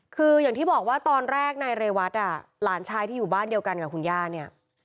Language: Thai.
คืออย่างที่บอกว่าตอนแรกนายเรวัตหลานชายที่อยู่บ้านเดียวกันกับคุณย่าเนี่ย